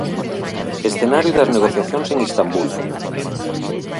Escenario das negociacións en Istambul.